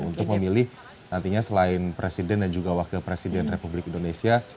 untuk memilih nantinya selain presiden dan juga wakil presiden republik indonesia